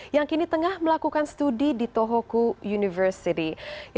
yang kini tengah melakukan studi di tohoku university